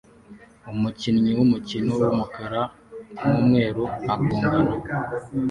Umukinnyi wumukino wumukara numweru agongana